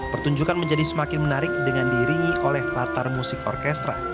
pertunjukan menjadi semakin menarik dengan diiringi oleh latar musik orkestra